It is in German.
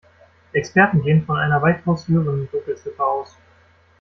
Experten gehen von einer weitaus höheren Dunkelziffer aus.